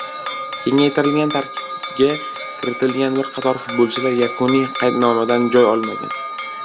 Kengaytirilgan tarkibga kiritilgan bir qator futbolchilar yakuniy qaydnomadan joy olmagan